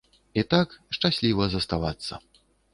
І так, шчасліва заставацца.